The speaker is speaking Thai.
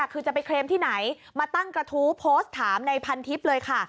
คือจะไปเคลมที่ไหนมาตั้งกระทู้โพสต์ถามในพันทิพย์เลยค่ะ